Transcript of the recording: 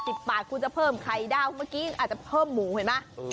ให้ด้าวคุณจะเพิ่มคะเมื่อกี๊อาจจะเพิ่มหมูเห็นไหม